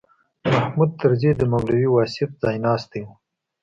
محمود طرزي د مولوي واصف ځایناستی و.